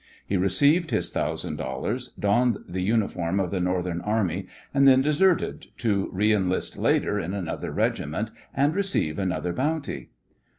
He received his thousand dollars, donned the uniform of the Northern Army, and then deserted, to re enlist later in another regiment and receive another bounty.